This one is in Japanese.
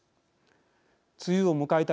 梅雨を迎えた